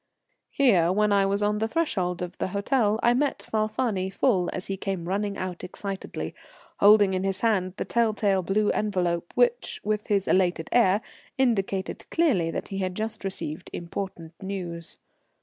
Here, when I was on the threshold of the hotel, I met Falfani full, as he came running out excitedly, holding in his hand the telltale blue envelope, which, with his elated air, indicated clearly that he had just received important news.